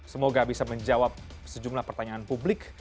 semoga bisa menjawab sejumlah pertanyaan publik